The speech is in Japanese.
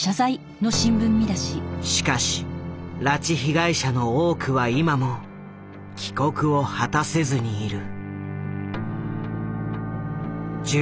しかし拉致被害者の多くは今も帰国を果たせずにいる。